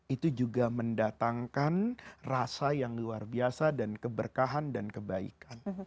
itu juga mendatangkan rasa yang luar biasa dan keberkahan dan kebaikan